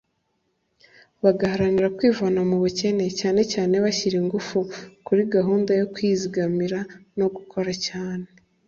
bagaharanira kwivana mubukene cyane cyane bashyira ingufu kuri gahunda yo kwizigamira no gukora cyane